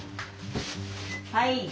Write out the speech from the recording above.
はい。